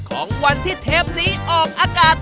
ของวันที่เทปนี้ออกอากาศ